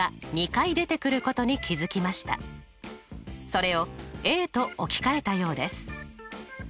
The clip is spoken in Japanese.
それをＡと置き換えたようです。